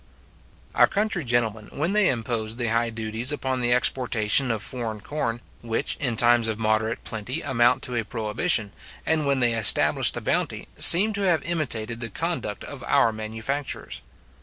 Our country gentlemen, when they imposed the high duties upon the exportation of foreign corn, which in times of moderate plenty amount to a prohibition, and when they established the bounty, seem to have imitated the conduct of our manufacturers.